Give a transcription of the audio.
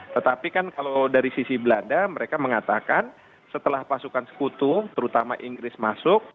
tetapi kan kalau dari sisi belanda mereka mengatakan setelah pasukan sekutu